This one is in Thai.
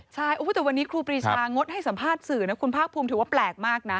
ใช่แต่วันนี้ครูปรีชางดให้สัมภาษณ์สื่อนะคุณภาคภูมิถือว่าแปลกมากนะ